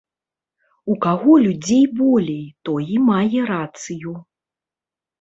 У каго людзей болей, той і мае рацыю.